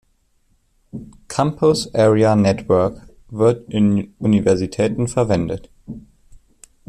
Campus Area Network wird in Universitäten verwendet.